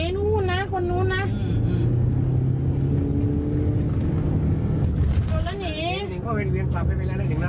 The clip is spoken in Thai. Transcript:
นู่นน่ะนู่นน่ะนู่นน่ะ